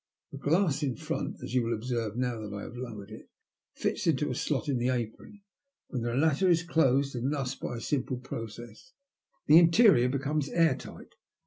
The glass in front, as you will observe now that I have lowered it, fits into a slot in the apron when the latter is closed, and thus, by a simple process, the interior becomes air tight.